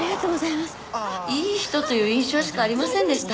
いい人という印象しかありませんでした。